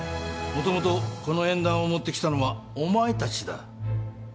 もともとこの縁談を持ってきたのはお前たちだ。